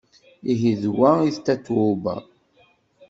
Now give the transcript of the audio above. Ihi d wa i d Tatoeba.